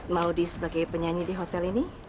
maudie sebagai penyanyi di hotel ini